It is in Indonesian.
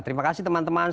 terima kasih teman teman